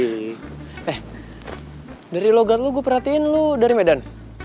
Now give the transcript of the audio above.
eh dari logat lo gue perhatiin lu dari medan